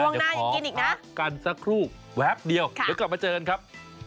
ช่วงหน้ายังกินอีกนะกันสักครู่แวบเดียวเดี๋ยวกลับมาเจอกันครับ